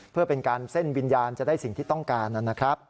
เพื่อเป็นการเส้นวิญญาณจะได้สิ่งที่ต้องการนะครับ